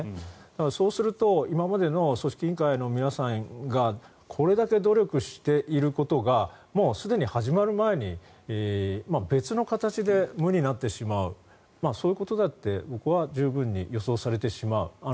そうすると今までの組織委員会の皆さんがこれだけ努力していることがもうすでに始まる前に別の形で無になってしまうそういうことだって僕は十分に予想されてしまう。